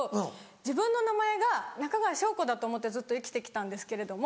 自分の名前が「中川しょうこ」だと思ってずっと生きて来たんですけれども。